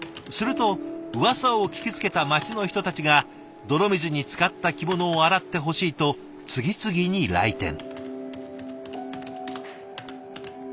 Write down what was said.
するとうわさを聞きつけた町の人たちが泥水につかった着物を洗ってほしいと次々に来店。